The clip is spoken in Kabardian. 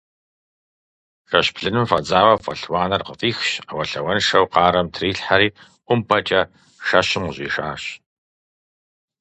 Шэщ блыным фӀэдзауэ фӀэлъ уанэр къыфӀихщ, Ӏэуэлъауэншэу къарэм трилъхьэри ӀумпӀэкӀэ шэщым къыщӀишащ.